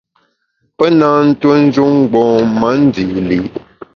Pe nâ ntue njun mgbom-a ndî li’.